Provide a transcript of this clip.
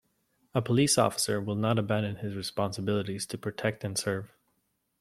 A police officer will not abandon his responsibilities to protect and serve.